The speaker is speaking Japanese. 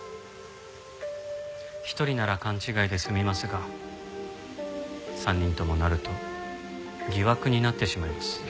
１人なら勘違いで済みますが３人ともなると疑惑になってしまいます。